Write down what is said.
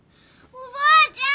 おばあちゃん？